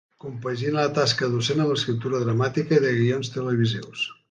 Compagina la tasca docent amb l'escriptura dramàtica i de guions televisius.